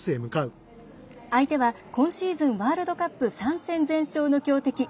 相手は今シーズンワールドカップ３戦全勝の強敵